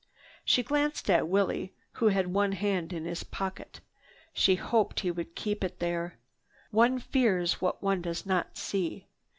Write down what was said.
She glanced at Willie who had one hand in his pocket. She hoped he would keep it there. One fears what one does not see.